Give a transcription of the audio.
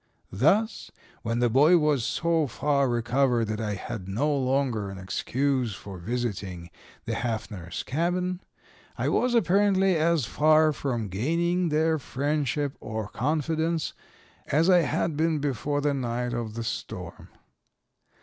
Thus, when the boy was so far recovered that I had no longer an excuse for visiting the Haffners' cabin, I was apparently as far from gaining their friendship or confidence as I had been before the night of the storm.